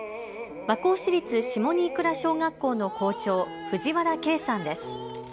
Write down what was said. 和光市立下新倉小学校の校長、藤原啓さんです。